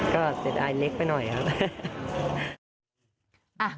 ก็สิ่งอายุเล็กไปหน่อยครับ